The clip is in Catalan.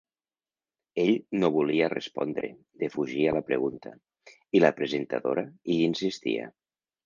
Ell no volia respondre, defugia la pregunta, i la presentadora hi insistia.